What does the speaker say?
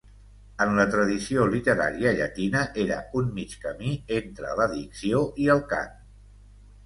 En la tradició literària llatina, era un mig camí entre la dicció i el cant.